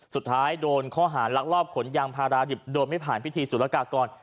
สุดท้ายโดนข้อหารลักลอบขนยางพาราดิบโดยไม่ผ่านพิธีสุรกากร